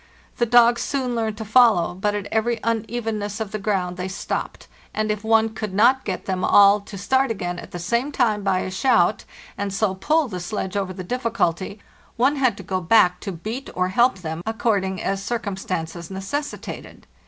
The dogs soon learned to follow, but at every unevenness of the ground they stopped, and if one could not get them all to start again at the same time by a shout, and so pull the sledge over the difficulty, one had to go back to beat or help them, according as circumstances neces sitated.